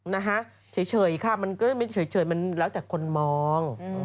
นะคะเฉยค่ะมันก็ไม่เฉยมันแล้วแต่คนมอง